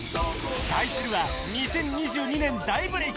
対するは２０２２年大ブレーク